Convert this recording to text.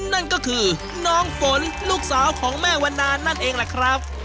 นั่นก็คือน้องฝนลูกสาวของแม่วันนานนั่นเองแหละครับ